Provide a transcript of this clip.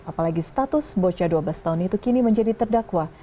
apalagi status bocah dua belas tahun itu kini menjadi terdakwa